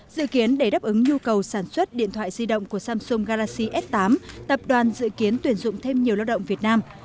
dự kiến để đáp ứng nhu cầu sản xuất điện thoại di động của samsung garaxi s tám tập đoàn dự kiến tuyển dụng thêm nhiều lao động việt nam